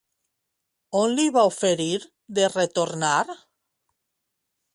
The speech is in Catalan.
On li va oferir de retornar?